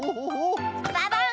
ババン！